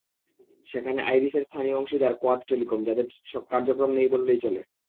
সেখানে আইরিসের স্থানীয় অংশীদার কোয়াদ টেলিকম, যাদের কার্যক্রম নেই বললেই চলে।